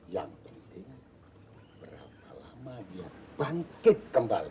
yang penting berapa lama dia bangkit kembali